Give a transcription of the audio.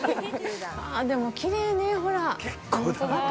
でもきれいね、ほら。